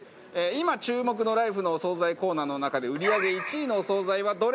今注目のライフのお惣菜コーナーの中で売り上げ１位のお惣菜はどれでしょうか？